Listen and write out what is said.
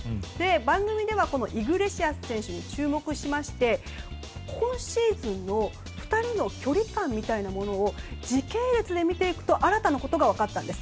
番組ではこのイグレシアス選手に注目しまして今シーズンの２人の距離感みたいなものを時系列で見ていくと新たなことが分かったんです。